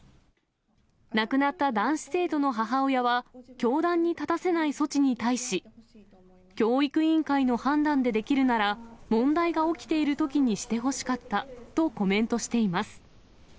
亡くなった男子生徒の母親は、教壇に立たせない措置に対し、教育委員会の判断でできるなら、問題が起きているときにしてほしかったとコメントしています。